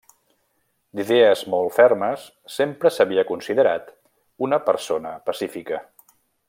D'idees molt fermes, sempre s'havia considerat una persona pacífica.